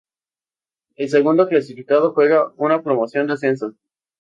El segundo clasificado juega una promoción de ascenso.